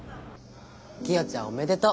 キヨちゃんおめでとう！